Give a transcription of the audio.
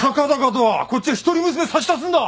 こっちは一人娘差し出すんだ！